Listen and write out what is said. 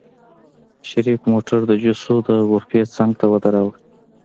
شريف موټر د جوسو د غرفې څنګ ته ودروه.